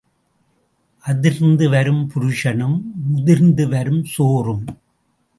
அதிர்ந்து வரும் புருஷனும் முதிர்ந்து வரும் சோறும்.